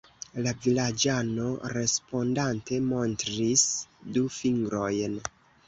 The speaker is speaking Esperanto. La vilaĝano, respondante, montris du fingrojn.